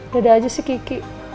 dadah aja sih kiki